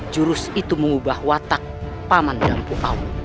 jurus itu mengubah watak paman dampu awang